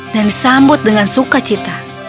dan disambut dengan sukacita